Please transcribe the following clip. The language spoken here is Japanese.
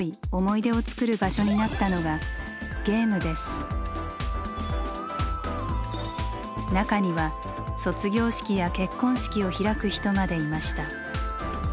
そんな中中には卒業式や結婚式を開く人までいました。